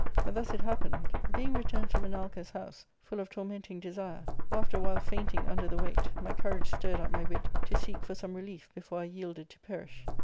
But thus it hap pened : being returned to Menalcas* house, full of tormenting desire, after a while fainting imder the weight, my courage stirred. up my wit to seek for some relief before I yielded to perish.